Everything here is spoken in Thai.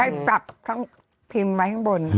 ปรับทั้งพิมพ์ไว้ข้างบน